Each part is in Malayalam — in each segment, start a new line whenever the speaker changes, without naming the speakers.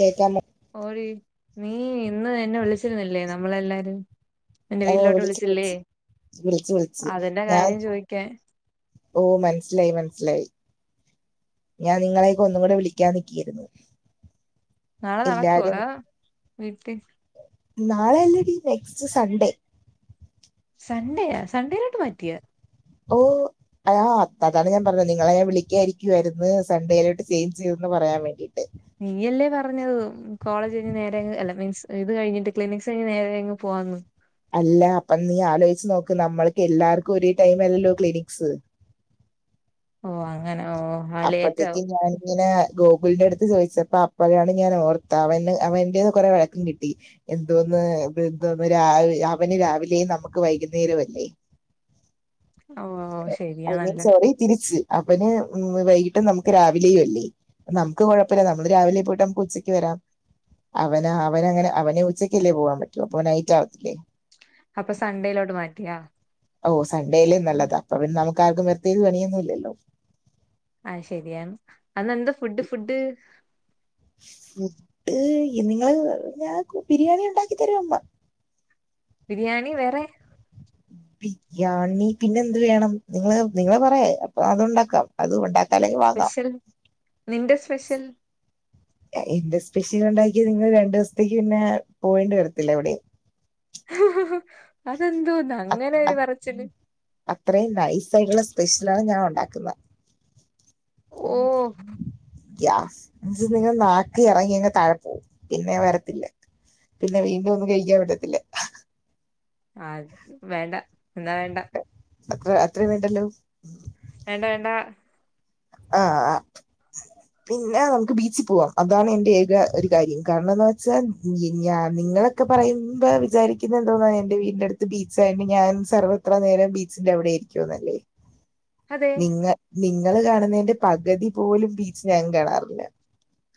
കേക്കാ
ഓടീ നീ ഇന്ന് എന്നെ വിളിച്ചിരുന്നില്ലേ നമ്മളെല്ലാരും എൻ്റെ
ഓ
വീട്ടിലോട്ട്
വിളിച്ച്
വിളിച്ചില്ലേ
വിളിച്ച് വിളിച്ച് വിളിച്ച്
അതിന്റെ കാര്യം ചോദിക്കാൻ
ഓഹ് മനസ്സിലായി മനസ്സിലായി ഞാൻ നിങ്ങളേക്കെ ഒന്നൂടെ വിളിക്കാൻ നിക്കിയാരുന്നു
നാളെ നടക്കുവോ അതാ വീട്ടില്
നാളെ അല്ലടി നെക്സ്റ്റ് സൺഡേ
സൺഡെയാ സൺഡേയിലോട്ട് മാറ്റിയാ
ഓഹ് ആഹ് അതോണ്ടാണ് ഞാൻ പറഞ്ഞത് നിങ്ങളെ ഞാൻ വിളിക്കായിരിക്കുവായിരുന്നു സൺഡേയിലോട്ട് ചെയ്ഞ്ച് ചെയ്തെന്ന് പറയാൻ വേണ്ടിട്ട്
നീയല്ലേ പറഞ്ഞത് കോളേജ് കഴിഞ്ഞ് നേരെ അങ്ങ് അല്ല മീൻസ് ഇത് കഴിഞ്ഞിട്ട് ക്ലിനിക്സ് കഴിഞ്ഞ് നേരെയങ്ങ് പോവാന്ന്?
അല്ല അപ്പൊ നീ ആലോചിച്ച് നോക്ക് നമ്മൾക്ക് എല്ലാർക്കും ഒരേ ടൈം അല്ലല്ലോ ക്ലിനിക്സ്
ഓഹ് അങ്ങനെ ഓഹ് ആഹ് ലേറ്റ് ആവും
ഇങ്ങനെ ഗോകുലിന്റെ അടുത്ത് ചോദിച്ചപ്പ അപ്പഴാണ് ഞാൻ ഓർത്ത അവന് അവൻ്റേന്ന് കൊറെ വഴക്കും കിട്ടി എന്തോന്ന് എന്തോന്നാ രാവ അവന് രാവിലേയും നമുക്ക് വൈകുന്നേരം അല്ലേ?
ഓ
ഐ മീൻ
ശരിയാണല്ലോ
സോറി തിരിച്ച് അവന് ഉം വൈകിട്ട് നമുക്ക് രാവിലേയും അല്ലേ? നമുക്ക് കുഴപ്പില്ല നമ്മള് രാവിലെ പോയിട്ട് നമുക്ക് ഉച്ചക്ക് വരാം അവന് അവന് അങ്ങനെ അവന് ഉച്ചക്കല്ലേ പോവാൻ പറ്റൂ അപ്പൊ നൈറ്റ് ആവത്തില്ലേ?
അപ്പൊ സൺഡേയിലോട്ട് മാറ്റിയാ?
ഓഹ് സൺഡേല് നല്ലതാ അപ്പൊ പിന്നെ നമുക്കാർക്കും വെർതെ പണിയൊന്നുല്ലല്ലോ?
അയ് ശെരിയാണ് അന്നെന്താ ഫുഡ് ഫുഡ്
മുട്ട് നിങ്ങള് ഞ ബിരിയാണി ഇണ്ടാക്കി തരും
ബിരിയാണി വേറെ
ബിരിയാണി പിന്നെ എന്ത് വേണം നിങ്ങള് നിങ്ങള് പറയ് അപ്പൊ അതുണ്ടാക്കാം അത് ഉണ്ടാ
സ്പെഷ്യൽ നിന്റെ സ്പെഷ്യൽ
എന്റെ സ്പെഷ്യൽ ഉണ്ടാക്ക്യ നിങ്ങൾ രണ്ട് ദിവസത്തേക്ക് പിന്നെ പോവേണ്ടി വരത്തില്ല ഇവടെ
അതെന്തോന്നാ അങ്ങനെ ഒരു പറച്ചില്
അത്രേം നൈസ് ആയിട്ടുള്ള സ്പെഷ്യലാണ് ഞാൻ ഉണ്ടാക്കുന്നത്
ഓഹ്
ഗ്യാസ് [unintelligible] ആക്കി ഇറങ്ങി അങ്ങ് താഴെ പോവും പിന്നെ വരത്തില്ല പിന്നെ വീണ്ടും ഒന്നും കഴിക്കാൻ പറ്റത്തില്ല
ആഹ് വേണ്ട എന്നാ വേണ്ട
അത്ര അത്രയും വേണ്ടല്ലോ
വേണ്ടാ വേണ്ടാ
ആഹ് ആഹ് പിന്നെ നമുക്ക് ബീച്ചിൽ പോവാം അതാണ് എന്റെ ഏക ഒരു കാര്യം കാരണം ന്ന് വെച്ചാൽ ഞ നിങ്ങളെ ക്കെ പറയും മ്പ വിചാരിക്കുന്ന എന്തോന്നാ എന്റെ വീടിന്റെ അടുത്ത് ബീച്ചായിട്ട് ഞാൻ സർവ്വത്ര നേരം ബീച്ചിന്റെ അവിടെ ക്യുന്നല്ലേ
അതെ
നിങ്ങൾ നിങ്ങള് കാണ്ന്നതിന്റെ പകുതി പോലും ബീച്ച് ഞാൻ കാണാറില്ല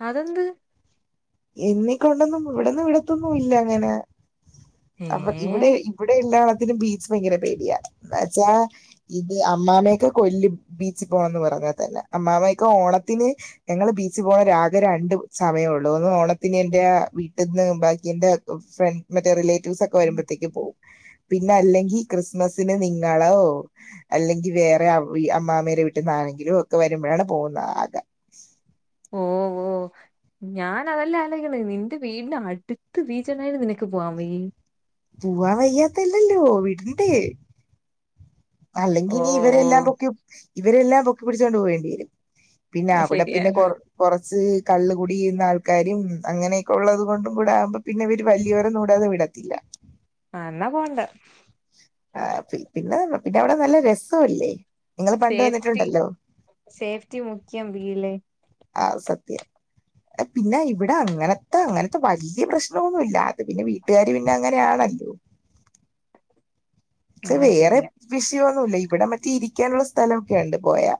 അതെന്ത്?
എന്നെക്കൊണ്ടൊന്നും ഇവിടന്ന് വിടത്തൊന്നും ഇല്ല അങ്ങനെ
ഏ
അപ്പ ഇവിടെ ഇവിടെ എല്ലാത്തിനും ബീച്ച് ഭയങ്കര പേടിയാ ന്താച്ചാ ഇത് അമ്മാമയൊക്കെ കൊല്ലും ബീച്ച് പോണംന്ന് പറഞ്ഞാ തന്നെ അമ്മാമയൊക്കെ ഓണത്തിന് ഞങ്ങള് ബീച്ച് പോണെ രാഗ രണ്ട് സമയൊ ടോന്ന് ഓണത്തിന് എന്റെ വീട്ടിൽ നിന്ന് ബാക്കി എന്റെ ഫ്ര മറ്റേ റിലേറ്റീവ്സ് ഒക്കെ വരുമ്പോഴത്തേക്ക് പോവും പിന്നെ അല്ലെങ്കി ക്രിസ്മസിന് നിങ്ങളോ അല്ലെങ്കി വേറെ അമ്മാമാരെ വീട്ട്ന്ന് ആരെങ്കിലോക്കെ വരുമ്പോഴാണ് പോകുന്നത് ആകെ
ഓ ഓ ഞാൻ അതല്ല അലോയ്ക്ക്ണ് നിന്റെ വീടിന്റെ അട്ത്ത് ബീച്ചിണ്ടായിട്ട് നിനക്ക് പോവാ വയ്യെ
പോവാൻ വയ്യാത്തല്ലല്ലോ വിടണ്ടേ അല്ലെങ്കി
ഓ
ഇനി
ഓ
ഇവരെല്ലാം പൊക്കി ഇവരെല്ലാം പൊക്കി പിടിച്ചോണ്ട് പോകേണ്ടി വരും പിന്നെ
അത്
അവിടെ പിന്നെ
ശരിയാണ്
കൊർ കോർച്ച് കള്ള് കൂടിയ്യുന്ന ആൾക്കാരും അങ്ങനെക്കെ ഉള്ളത് കൊണ്ടും കൂടെ ആകുമ്പോ പിന്നെ വല്ല്യോരെ [unintelligible] വിടത്തില്ല
ആഹ് ന്നാ പോണ്ട
ആഹ് [unintelligible] അവിടെ നല്ല രസല്ലേ
സേഫ്റ്റി സേഫ്റ്റി മുഖ്യം ബിലെ
ആഹ് സത്യം പിന്നെ ഇവടെ അങ്ങനത്തെ അങ്ങനത്തെ വല്ല്യേ പ്രശ്നൊന്നുല്ല അത് പിന്നെ വീട്ട്കാര് പിന്നെ അങ്ങനെ ആണല്ലോ
ആ
ക്ഷെ വേറെ
ശരിയാ
വിഷയൊന്നുല്ല ഇവിടെ മറ്റേ ഇരിക്കാനുള്ള സ്ഥലോക്കെയുണ്ട് പോയാ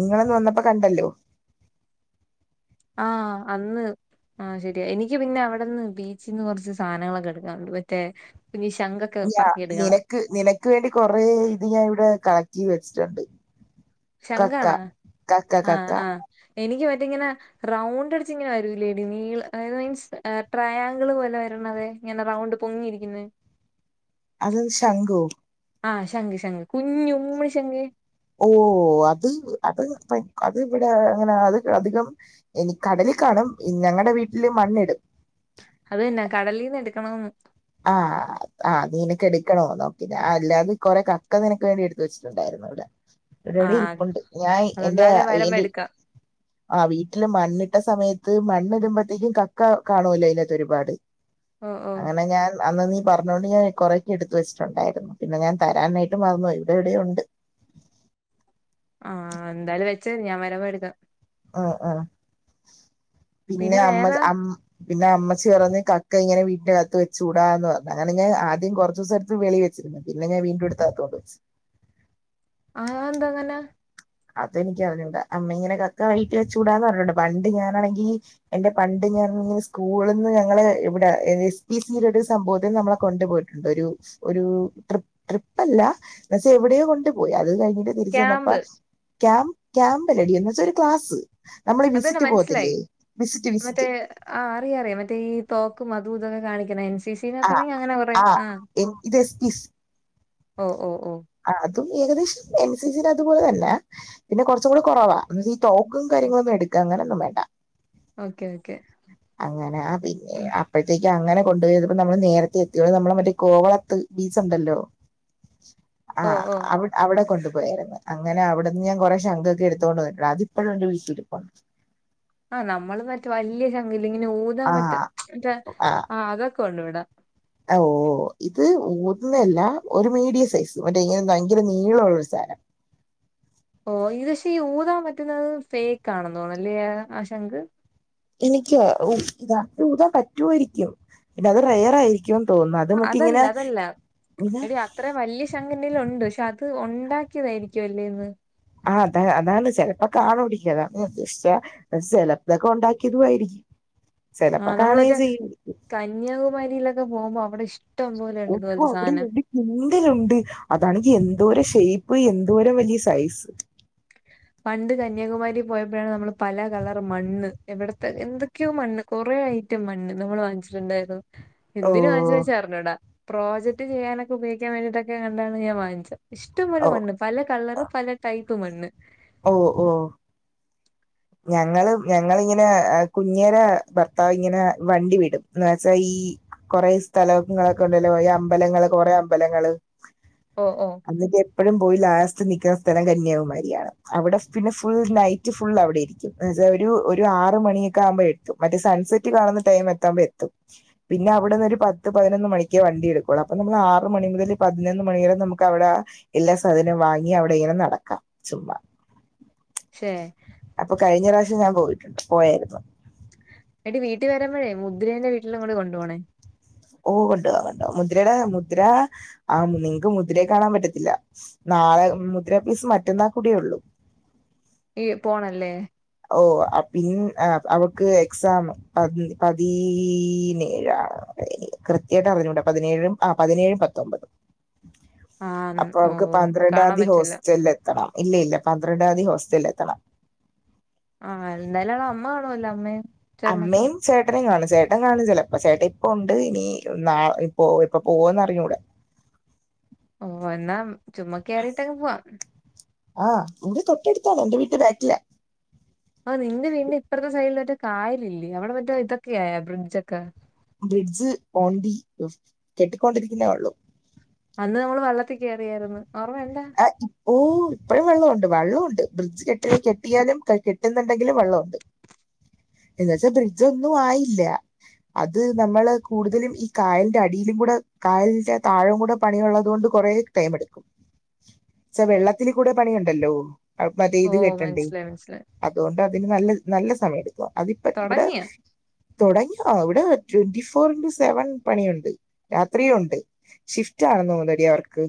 നിങ്ങളന്ന് വന്നപ്പോ കണ്ടല്ലോ
ആഹ് അന്ന് ആഹ് ശെരിയാ എനിക്ക് പിന്നെ അവിടെന്ന് ബീച്ച്ന്ന് കോർച്ച് സാനങ്ങളൊക്കെ എടുക്കാനുണ്ട് മറ്റേ പിന്നെ ശഖ്
യ്യാ നിനക്ക് നിനക്ക് വേണ്ടി കൊറെ ഇത് ഞാൻ ഇവിടെ കളക്റ്റ് ചെയ്ത് വെച്ചിട്ട്ണ്ട്
ശഖാണോ ആഹ് ആഹ് എനിക്ക് മറ്റെ ഇങ്ങനെ റൗണ്ട് അടിച്ച് ഇങ്ങനെ വരൂല്ലേ നീ മീൻസ് ട്രയാങ്കിള് പോലെ വെര്ണത് ഇങ്ങനെ റൗണ്ട് പൊങ്ങിയിരിക്ന്നെ
അത് ശംഖു
ആഹ് ശഖ് ശഖ് കുഞ്ഞു ഊമ്മ ശഖ്
ഓ അത് അത് അത് ഇവടെ അങ്ങനെ അത് അധികം എനി കടലിൽ കാണും ഞങ്ങൾടെ വീട്ടില് മണ്ണിടും.
അതന്നെ കടലീന്നെടുക്കണൊന്ന്
ആ അ അത്‌ നിനക്കെടുക്കണോ നോക്കിന അ അല്ലാതെ കൊറെ കക്ക നിനക്ക് വേണ്ടി എടുത്ത് വെച്ചിട്ടുണ്ടായിരുന്നിവിടെ. [unintelligible]
ആഹ്
രിപ്പുണ്ട് ഞാൻ എന്റെ
അതെന്തായാലും വരുമ്പോ
[unintelligible]
എടുക്കാം
ആ വീട്ടില് മണ്ണിട്ട സമയത്ത് മണ്ണിടുമ്പോഴത്തേക്കും കക്ക കാണുലയ്നാത്തൊരുപാട്
ഓഹ് ഓഹ്
അങ്ങന ഞാൻ അന്ന് നീ പറഞ്ഞോണ്ട് ഞാൻ കൊറെയൊക്കെ എടുത്ത് വെച്ചിട്ടുണ്ടായിരുന്നു പിന്നെ ഞാൻ തരാനായിട്ട് മറന്നു പോയി ഇവിടെ എവിടെയോ ഉണ്ട്.
ആ എന്തായാലും വെച്ചോ ഞാൻ വരമ്പോ എട്ക്കാം.
അ അ പിന്നെ അമ്മ ച അ പിന്നെ അമ്മച്ചി പറഞ്ഞ് കക്കയിങ്ങനെ വീട്ടിന്റകത്ത് വച്ചൂടാന്ന് പറഞ്ഞു അങ്ങനെ ഞാൻ ആദ്യം കുറച്ചൂസെടുത്ത് വെളീ വെച്ച്. പിന്നെ ഞാൻ വീണ്ടുഎടുത്തഅകത്ത് കൊണ്ട് വെച്ച്.
ആ അഎന്താ അങ്ങന?
അതെനിക്കറിഞ്ഞൂട അമ്മ ഇങ്ങനെ കക്ക വഴിവീട്ടി വച്ചൂടാന്ന് പറഞ്ഞിട്ടുണ്ട് പണ്ട് ഞാനണെങ്കീ എന്റെ പണ്ട് ഞാനിസ്കൂള്ന്ന് ഞങ്ങള് ഇവിടെ എ എസ് പി സിയിലൊരു സംഭവത്തിൽ നമ്മളെ കൊണ്ടുപോ ഒരു ഒരു ട്രിപ്പ് ട്രിപ്പല്ല എന്നച്ച എവിടെയോ കൊണ്ട് പോയി അത് കഴിഞ്ഞിട്ട് തിരിച്ചു വന്നപ്പോ
ക്യാമ്പ്
ക്യാം ക്യാമ്പല്ലടി എന്ന്ച്ചൊരു ക്ലാസ്. നമ്മളീ
അതന്നെ
വിസിറ്റ് പോകത്തില്ലേ വിസിറ്റ് വിസിറ്റ്
ആ അറിയ അറിയാം മറ്റേ ഈ തോക്കുമതു ഇതൊക്കെ കാണിക്ക്ണ
ആ
[unintelligible] അങ്ങനെ കുറെ ആ
ഇത് എസ്
ഓ ഓ ഒ
ആ അതും ഏകദേശം എൻ സി സിന്റതുപോലെ തല്ലാ പിന്നെ കൊറച്ച് കൂടി കൊറവാ [unintelligible] ഈ തോക്കും കാര്യങ്ങളൊന്നും എടുക്ക അങ്ങനെ ഒന്നും വേണ്ട.
ഓക്കെ ഓക്കെ
അങ്ങനാ ആ പിന്നെ അപ്പോഴത്തേക്കങ്ങന കൊണ്ടു [unintelligible] നമ്മള് നേരത്തെ എത്തിയോളൂ നമ്മളെ മറ്റേ കോവളത്ത് ബീച്ച്ണ്ടല്ലോ? ആ
ഓഹ് ഓഹ്
അവി അവിടെ കൊണ്ടു പോയായിരുന്നു അങ്ങനെ അവിടുന്ന് ഞാൻ കുറെ ശംഖൊക്കെ എടുത്തോണ്ട് വന്നിട്ടുണ്ട് അതിപ്പോഴും ന്റെ വീട്ടിലിരിപ്പൊണ്ട്.
ആ നമ്മള് മറ്റേ വല്യ ശംഖില്ലേ ഇങ്ങനെ ഊതാൻ
ആ
പറ്റ മറ്റേ ആ അതൊക്കെ ഉണ്ടിവിടെ
അ ഓ ഇത് ഊതുന്നല്ല ഒരു മീഡിയ സൈസ് മറ്റേ ഇങ്ങന ഭയങ്കര നീളുള്ളൊരു സാനം.
ഓ ഇത് [unintelligible] ഈ ഊതാൻ പറ്റുന്നത് ഫേക്ക് ആണെന്ന് തോന്നല്ലേ ആ ശംഖ്
എനിക്ക്യാ ഉ ഇതാ ഊതാൻ പറ്റുവായിരിക്കും പിന്ന അതൊരു റയറായിരിക്കും. ക്കും തോന്നുന്നു അത് മറ്റെ ഇങ്ങന [unintelligible]
അത്ര വലിയ ശംഖെന്റേലുണ്ട് പഷേ അത് ഉണ്ടാക്കിയതായിരിക്കും അല്ലേന്ന്
ആ അത അതാണ് ചെലപ്പോ [unintelligible] [unintelligible] സെലപ്പതൊക്കെ ഉണ്ടാക്കിയതും ആയിരിക്കും
ആ
ചെലപ്പോ
നമ്മൾ
കാണുകയും
മറ്റേ
ചെയ്യും
കന്യാകുമാരിയിലൊക്കെ പോകുമ്പോ അവിടെ ഇഷ്ടം പോലെണ്ട് ഇതുപോലത്തെ സാനം.
എന്തിലുണ്ട് അതാണെങ്കി എന്തോരം ഷേപ്പ് എന്തോരം വല്യ സൈസ്.
പണ്ട് കന്യാകുമാരി പോയപ്പോഴാണ് നമ്മള് പല കളറ് മണ്ണ് എവിടത്തെ എന്ത് എന്തൊക്കെയോ മണ്ണ് കുറെ ഐറ്റം മണ്ണ് നമ്മൾ വാങ്ങിച്ചിട്ടുണ്ടായിരുന്നു.
ഓ
എന്തിന് വാങ്ങിച്ച വെച്ചാ അറിഞ്ഞൂടാ പ്രോജക്ട് ചെയ്യാനൊക്കെ ഉപയോഗിക്കാൻ വേണ്ടിയിട്ടൊക്കെ കണ്ടാണ് ഞാൻ വാങ്ങിച്ചെ. ഇഷ്ടംപോലെ
ഓ
മണ്ണ് പല കളറ് പല ടൈപ്പ് മണ്ണ്.
ഓ ഓ ഞങ്ങള് ഞങ്ങളിങ്ങനെ അ കുഞ്ഞേര ഭർത്താവിങ്ങന വണ്ടി വിടും എന്ന് വെച്ചാ ഈ കൊറെ സ്ഥലോങ്ങളൊക്കെ ഉണ്ടല്ലോ അമ്പലങ്ങള് കൊറെ അമ്പലങ്ങള്
ഓ ഓ
എന്നിട്ട് എപ്പോഴും പോയി ലാസ്റ്റ് നിക്ക്ണ സ്ഥലം കന്യാകുമാരിയാണ്. അവിടെ പിന്നെ ഫുൾ നൈറ്റ് ഫുള്ളവിടെയായി [unintelligible] ഒരു ആറ് മണിയൊക്കെ ആവുമ്പോഴെത്തും മറ്റേ സൺസെറ്റ് കാണുന്ന ടൈം എത്തമ്പോ എത്തും. പിന്നെ അവിടുന്നൊരു പത്ത് പതിനൊന്ന് മണിക്ക് വണ്ടി എടുക്കുള്ളു. അപ്പ നമ്മൾ ആറ് മണി മുതല് പതിനൊന്ന് മണി വരെ നമുക്കവിടേ എല്ലാ സാധനോ വാങ്ങിയവിടെ ഇങ്ങനെ നടക്കാം ചുമ്മാ
ശേ
അപ്പൊ കഴിഞ്ഞ പ്രാവശ്യം ഞാൻ പോയിട്ടുണ്ട് പോയായിരുന്നു.
എടി വീട്ടി വരുമ്പോഴേ മുദ്രേന്റെ വീട്ടിലും കൂടി കൊണ്ടു പോണേ?
ഓ കൊണ്ടോ വാ കൊണ്ടോവാ മുദ്രയുടെ മുദ്ര ആ ങ്ങക്ക് മുദ്രയെ കാണാൻ പറ്റത്തില്ല. നാളെ മുദ്ര മീൻസ് മറ്റന്നാൽ കൂടിയുള്ളൂ
ഈ പോണല്ലേ
ഓ ആ പി അവക്ക് എക്സാമാ പതിനേഴാണ്. കൃത്യായിട്ട് അറിഞ്ഞൂട പതിനേഴും ആ പതിനേഴും പത്തൊമ്പതും.
[inaudible]
അപ്പൊ
ഓ
അവക്ക്
ഇപ്പൊ കാണാൻ
പന്ത്രണ്ടാതീതി
പറ്റില്ല
ഹോസ്റ്റലിൽ എത്തണം ഇല്ല ഇല്ല പന്ത്രണ്ടാം തീയതി ഹോസ്റ്റലിൽ എത്തണം.
ആഹ ന്നായാലും ആ അമ്മ കാണുവല്ലോ അമ്മയെ?
അമ്മെയും ചേട്ടനും കാണും. ചേട്ടൻ കാണും ചെലപ്പ ചേട്ടൻ ഇപ്പ ഉണ്ട് ഇനി നാ പ്പോ ഇപ്പൊ പോവോന്ന് അറിഞ്ഞൂട.
ഓ ന്നാ ചുമ്മാ കയറിയിട്ടങ് പോവാം.
ആഹ് ഇൻ്റെ തൊട്ടടുത്താണ് എന്റെ വീട്ട് ബാക്കിലാ.
ആ നിന്റെ വീടിന് ഇപ്പറത്തെ സൈഡിൽ മറ്റേ കായലില്ലേ അവിടെ മറ്റേ ഇതൊക്കെ ആയൊ ബ്രിഡ്ജൊക്കെ?
ബ്രിഡ്ജ് ഓണ് ദി [unintelligible] കെട്ടിക്കൊണ്ടിരിക്കുന്നേ ഉള്ളൂ.
അന്ന് നമ്മൾ വെള്ളത്തി കയറിയായിരുന്നു ഓർമ്മയുണ്ടൊ?
ഓ ഇപ്പഴും വെള്ളം ഉണ്ട് വെള്ളം ഉണ്ട് ബ്രിഡ്ജ് കെട്ടിയെ കെട്ടിയാലും കെട്ടുന്നുണ്ടെങ്കിലും വെള്ളമുണ്ട്
[inaudible]
ന്ന് വെച്ച ബ്രിഡ്ജ് ഒന്നും ആയില്ല. അത് നമ്മള് കൂടുതലും ഈ കായലിന്റെ അടിയികൂടെ കായലിന്റെ താഴെ കൂടെ പണിയുള്ളത് കൊണ്ട് കുറെ ടൈം എടുക്കും. ചെ വെള്ളത്തില് കൂടെ പണിയണ്ടല്ലോ അപ്പൊ അത
ഓ
ഇത് കെട്ടണ്ടേ.
മനസ്സിലായി മനസ്സിലായി
അതുകൊണ്ട് അതിന് നല്ല നല്ല സമയം എടുക്കും അതിപ്പ ഇവിടെ
തുടങ്ങി
തുടങ്ങി അവിടെ ട്വന്റി ഫോർ ടു സെവൻ പണിയുണ്ട് രാത്രിയു ണ്ട്. ഷിഫ്റ്റ് ആണെന്ന് തോന്നുന്നേടി അവർക്ക്.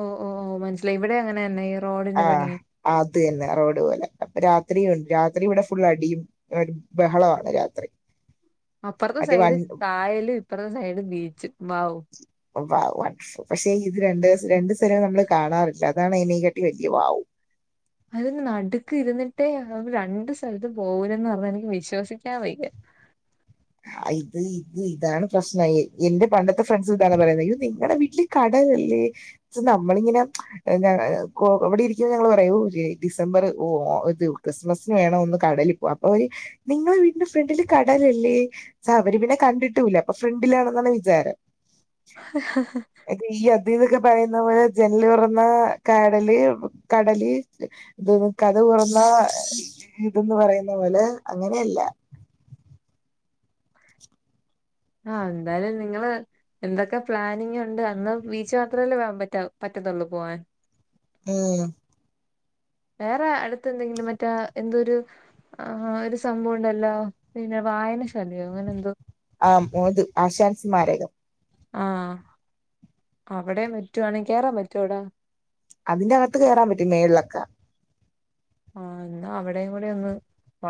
ഓ ഓ മനസ്സിലായി വിടെ അങ്ങനെ തന്നെ ഈ റോഡിന്റെ
ആഹ
പണിയെ
അത് തന്നെ റോഡ് പോലെ. അപ്പ രാത്രി ഉണ്ട് രാത്രി ഇവിടെ ഫുൾ അടിയും. ബഹളമാ രത്രി
അപ്പുറുത്തെ സൈഡ് പായല് ഇപ്പറത്തെ സൈഡ് ബീച്ച് വൗ
വൗ [unintelligible] പക്ഷെ ഇത് രണ്ട് രണ്ടു സ്ഥലൂ നമ്മള് കാണാറില്ല അതാണ് [unintelligible] [unintelligible] വൗ
അതിന് നടുക്ക് ഇരുന്നിട്ടേ രണ്ട് സ്ഥലത്ത് പോവുലെന്ന് പറഞ്ഞാൽ എനിക്ക് വിശ്വസിക്കാൻ വയ്യ.
ആ് ഇത് ഇത് ഇതാണ് പ്രശ്നം എന്റെ പണ്ടത്തെ ഫ്രണ്ട്സ് ഇതാണ് പറയുന്നത് യ്യോ നിങ്ങടെ വീട്ടിൽ കടലില്ലേ ച്ച് നമ്മളിങ്ങനെ [inaudible] ഞ വിടെ ഇരിക്കുമ്പോൾ ഞങ്ങള് പറയൂ ഓക്കെ ഡിസംബർ ഓ ക്രിസ്മസിന് വേണം ഒന്ന് കടലി അപ്പൊ അവര് നിങ്ങളെ വീട്ടില് ഫ്രണ്ടില് കടലല്ലേ സ അവര് പിന്നെ കണ്ടിട്ടൂല്ല്യ അപ്പൊ ഫ്രണ്ടിലാണെന്നാണ് വിചാരം.
[inaudible]
ഈ അദ്വൈയ്ദ ക്കെ പറയുന്ന പോലെ ജനല് തുറന്നാ കാടല് കടല് ഇത് കതക് തുറന്നാ വീട് പറയുന്ന പോലെ അങ്ങനെയല്ല.
ആ ന്തായാലും നിങ്ങള് എന്തൊക്കെ പ്ലാനിങ് ഉണ്ട് അന്ന് ബീച്ച് മാത്രമല്ലേ വപറ്റാ പറ്റത്തുള്ളൂ പോവാൻ
ഉം
വേറെ അടുത്ത് എന്തെങ്കിലും മറ്റാ എന്തൊരു ആ ഒരു സംഭവം ഉണ്ടല്ലോ പിന്നെ വായനശാലയോ അങ്ങനെ എന്തോ
ആം ന്ത് ആശാൻ സ്മാരകം
ആഹ അവിടെ റ്റുവാണെങ്കിൽ കേറാ പറ്റുവൊ അവിടെ
അതിന്റെ അകത്ത് കയറൻ പറ്റും മേളിലൊക്ക.
ആ എന്നാ അവിടെയും കൂടെ ഒന്ന് പ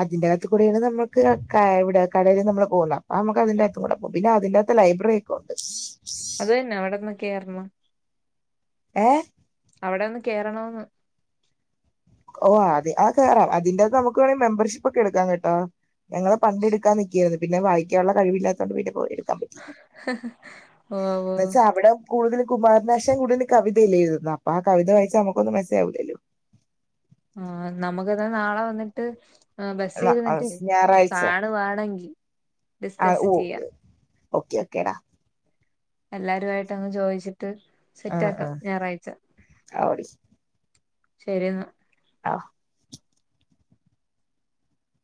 അതിന്റെ അകത്ത് കൂടെയാണ് നമ്മവിടെ കടലിൽ നമ്മള് പോകുന്നെ ആ നമുക്ക് അതിന്റെ അകത്ത് കൂടെ പോവാ പിന്നെ അതിന്റെ ടെ ലൈബ്രറി ഒക്കൊണ്ട്
അത് തന്നെ അവ്ട്ന്ന് കേറ്ന്ന്
ഏ
അവിടൊന്ന് കേറണോന്ന്
ഓ അ ആ കേറാം അതിന്റെകത്ത് നമുക്ക് വേണെങ്കി മെമ്പർഷിപ്പൊക്കെ എടുക്കാം കെട്ടോ ഞങ്ങള് പങ്കെടുക്കാൻ നിക്കേര്ന്നു പിന്നെത് വായിക്കാനുള്ള കഴിവില്ലാതോണ്ട് പിന്നെ പോയി
ഓ ഓ
ന്തച്ചാ അവടെ കൂടുതലും കുമാരനാശ കൂട്തലും കവിതയല്ലേ എഴുതുന്നേ അപ്പാ കവിത വായിച്ചാ നമുക്കൊന്നും മസ്സിലാവൂലല്ലോ
ആ നമുക്ക്ന്നാ നാളെ വന്ന്ട്ട് ആ ബസ്സിരുന്ന്ട്ട്
ഞായറാഴ്ച
കാണുവാണെങ്കി
ആ
ഡിസ്കസ്
ഓ
ചെയ്യാ
ഓക്കെ ഓക്കേടാ
എല്ലാരുആയിട്ട് അങ് ചോയ്ച്ചിട്ട്
ആ ആ
സെറ്റാക്കാം ഞായറാഴ്ച
ആ ഓടി
ശെരിന്നാ
ആഹ്